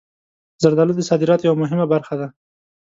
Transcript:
زردالو د صادراتو یوه مهمه برخه ده.